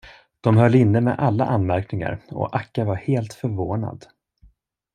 De höll inne med alla anmärkningar, och Akka var helt förvånad.